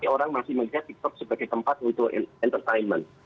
orang masih melihat tiktok sebagai tempat untuk entertainment